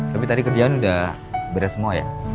tapi tadi kerjaan udah beres semua ya